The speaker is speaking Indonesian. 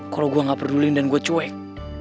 kalau gue nggak peduliin dan gue cuek